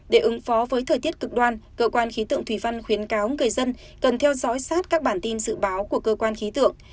để ứng phó với thời tiết cực đoan cơ quan khí tượng thủy văn khuyến cáo người dân cần theo dõi sát các bản tin dự báo của cơ quan khí tượng